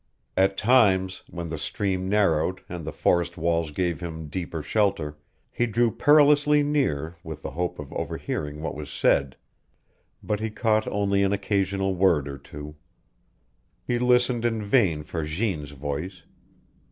At times, when the stream narrowed and the forest walls gave him deeper shelter, he drew perilously near with the hope of overhearing what was said, but he caught only an occasional word or two. He listened in vain for Jeanne's voice.